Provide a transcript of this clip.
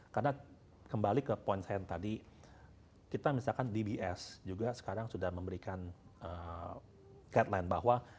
karena kembali ke poin saya tadi kita misalkan dbs juga sekarang sudah memberikan guideline bahwa